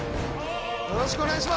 よろしくお願いします。